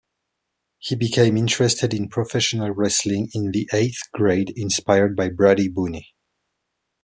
He became interested in professional wrestling in the eighth grade, inspired by Brady Boone.